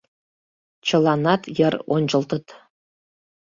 Чыланат йыр ончылтыт.